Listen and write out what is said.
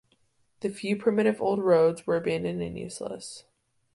The few primitive old roads were abandoned and useless.